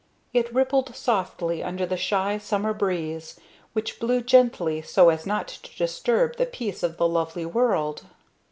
It rippled softly under the shy summer breeze, which blew gently so as not to disturb the peace of the lovely world.